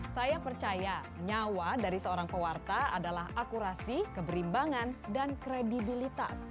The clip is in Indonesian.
saya percaya nyawa dari seorang pewarta adalah akurasi keberimbangan dan kredibilitas